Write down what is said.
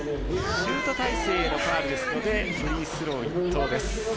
シュート体勢へのファウルですのでフリースロー１投です。